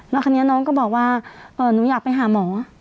แล้วคราวนี้น้องก็บอกว่าหนูอยากไปหาหมอ